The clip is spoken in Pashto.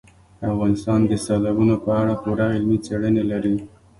افغانستان د سیلابونو په اړه پوره علمي څېړنې لري.